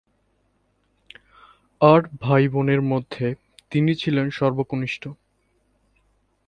আট ভাই-বোনের মধ্যে তিনি ছিলেন সর্বকনিষ্ঠ।